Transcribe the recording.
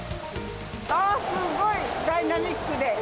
すごいダイナミックで。